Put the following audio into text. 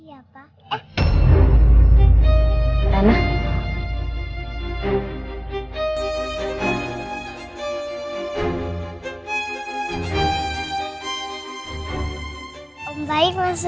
enggak om maaf ya